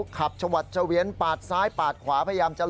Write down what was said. ขับมาช่วยคุณก็มาช่วยตำรวจ